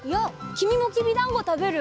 きみもきびだんごたべる？